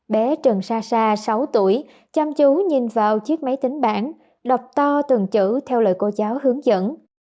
bé trần sa sa sáu tuổi chăm chú nhìn vào chiếc máy tính bản lọc to từng chữ theo lời cô giáo hướng dẫn